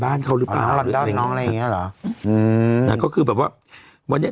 บ้านเขาหรือเปล่าหรืออะไรน้องอะไรอย่างเงี้เหรออืมน่ะก็คือแบบว่าวันนี้